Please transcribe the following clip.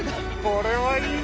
これはいいぞ！